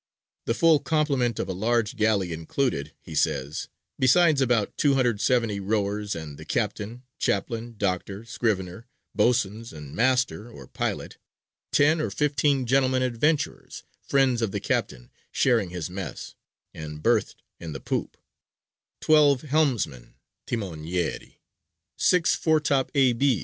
The full complement of a large galley included, he says, besides about 270 rowers, and the captain, chaplain, doctor, scrivener, boatswains, and master, or pilot, ten or fifteen gentleman adventurers, friends of the captain, sharing his mess, and berthed in the poop; twelve helmsmen (timonieri), six foretop A.